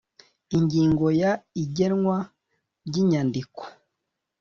ingingo ya igenwa ry inyandiko